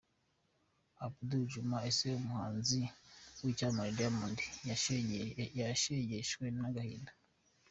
Abdul Juma Ise w’umuhanzi w’icyamamare Diamond yashegeshwe n’agahinda